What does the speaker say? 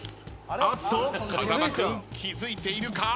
あっと風間君気付いているか！？